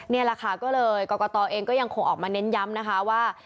นี่แหละค่ะก็เลยกรกตเองก็ยังคงออกมาเน้นย้ำนะคะว่า